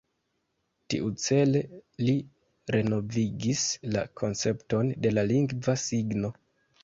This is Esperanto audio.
Tiucele li renovigis la koncepton de la lingva signo.